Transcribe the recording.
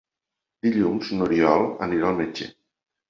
Dilluns n'Oriol anirà al metge.